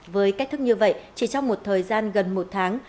với cách thức như vậy chỉ trong một thời gian gần một tháng